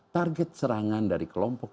target serangan dari kelompok